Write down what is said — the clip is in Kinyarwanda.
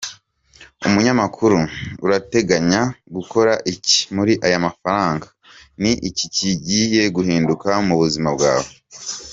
Umunyamakuru: Urateganya gukora iki muri aya mafaranga? Ni ki kigiye guhinduka mu buzima bwawe?.